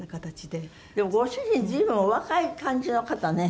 でもご主人随分お若い感じの方ね。